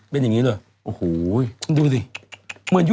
เป็นอย่างนี้ด้วย